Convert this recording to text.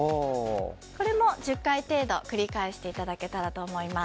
これも１０回程度繰り返していただけたらと思います。